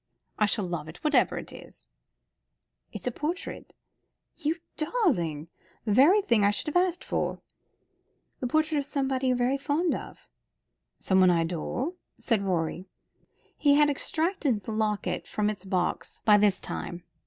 "I shall love it, whatever it is." "It's a portrait." "You darling! The very thing I should have asked for." "The portrait of someone you're fond of." "Someone I adore," said Rorie. He had extracted the locket from its box by this time.